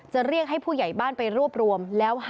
เรียกให้ผู้ใหญ่บ้านไปรวบรวมแล้ว